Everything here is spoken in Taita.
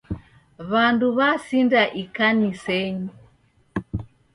W'andu w'asinda ikanisenyi.